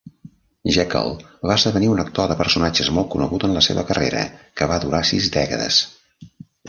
Jaeckel va esdevenir un actor de personatges molt conegut en la seva carrera, que va durar sis dècades.